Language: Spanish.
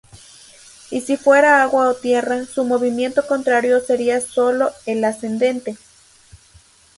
Y si fuera agua o tierra, su movimiento contrario sería sólo el ascendente.